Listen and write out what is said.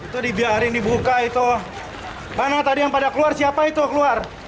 siapa yang keluar dari itu